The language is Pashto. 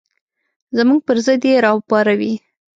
زموږ پر ضد یې راوپاروئ.